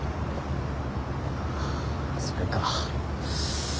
あそれか。